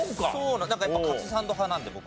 なんかやっぱカツサンド派なんで僕は。